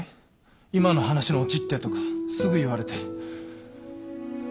「今の話のオチって？」とかすぐ言われて。